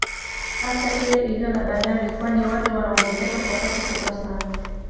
Hasa ile iliyo na Bandari kwani watu wanaongezeka kwa kasi kubwa sana